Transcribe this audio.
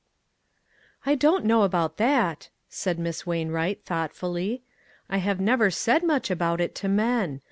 " I don't know about that," said Miss Wainwright, thoughtfully. "I have never said much about it to men.